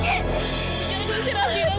jangan bersinak ibu